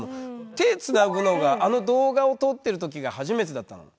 手つなぐのがあの動画を撮ってる時が初めてだったの？